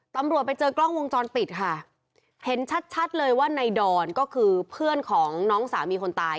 ตำรวจไปเจอกล้องวงจรปิดค่ะเห็นชัดชัดเลยว่าในดอนก็คือเพื่อนของน้องสามีคนตาย